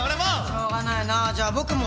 しょうがないなじゃあ僕も。